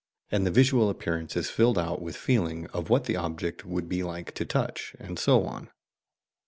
And the visual appearance is filled out with feeling of what the object would be like to touch, and so on.